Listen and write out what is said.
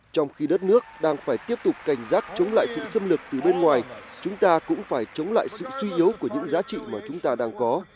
trong khi đất nước đang phải tiếp tục cảnh giác chống lại sự xâm lược từ bên ngoài chúng ta cũng phải chống lại sự suy yếu của những giá trị mà chúng ta đang có